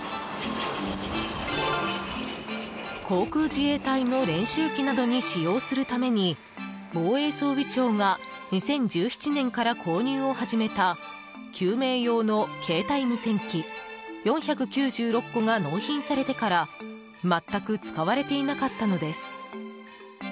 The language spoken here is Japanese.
航空自衛隊の練習機などに使用するために防衛装備庁が２０１７年から購入を始めた救命用の携帯無線機４９６個が納品されてから全く使われていなかったのです。